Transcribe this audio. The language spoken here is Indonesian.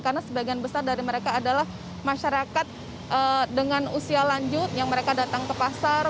karena sebagian besar dari mereka adalah masyarakat dengan usia lanjut yang mereka datang ke pasar